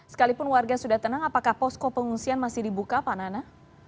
sekalipun warga sudah tenang apakah posko pengungsian masih dibuka pak nana